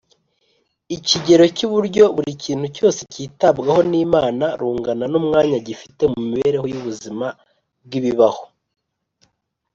ikigero cy’uburyo buri kintu cyose kitabwaho n’imana rungana n’umwanya gifite mu mibereho y’ubuzima bw’ibibaho